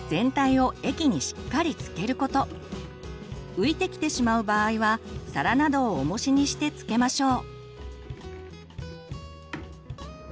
浮いてきてしまう場合は皿などをおもしにしてつけましょう。